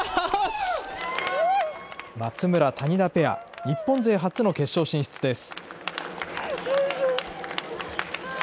松村・谷田ペア、日本勢初の決勝進出です。